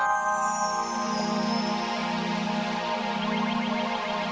aduh kalo gitu kita tutup aja dulu bener bener